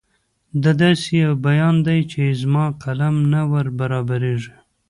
دا داسې یو بیان دی چې زما قلم نه وربرابرېږي.